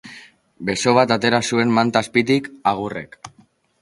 Beso bat atera zuen manta azpitik Agurrek.